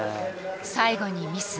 最後にミス。